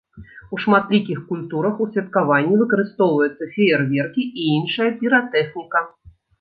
У шматлікіх культурах у святкаванні выкарыстоўваюцца феерверкі і іншая піратэхніка.